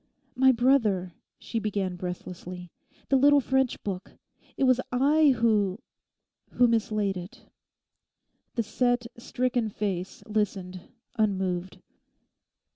'My brother,' she began breathlessly—'the little French book. It was I who—who mislaid it.' The set, stricken face listened unmoved.